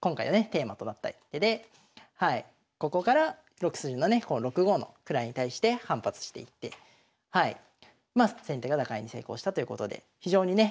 テーマとなった一手でここから６筋のねこの６五の位に対して反発していってまあ先手が打開に成功したということで非常にね